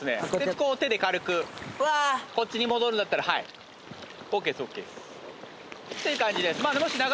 こう手で軽くこっちに戻るんだったらはいＯＫですＯＫですていう感じです